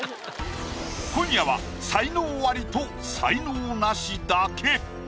今夜は才能アリと才能ナシだけ！